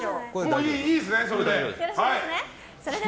いいですね、それで。